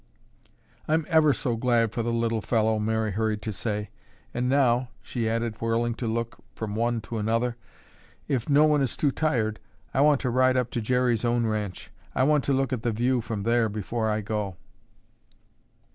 "I'm ever so glad for the little fellow," Mary hurried to say. "And now," she added, whirling to look from one to another, "if no one is too tired, I want to ride up to Jerry's own ranch. I want to look at the view from there before I go."